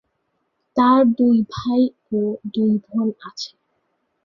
তার দুই ভাই ও দুই বোন আছেন।